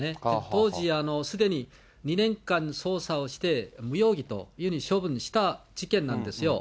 当時、すでに２年間捜査をして、未容疑というふうに処分した事件なんですよ。